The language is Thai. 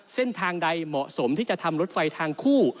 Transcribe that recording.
เส้นทางใดเหมาะสมที่จะทำรถไฟทางคู่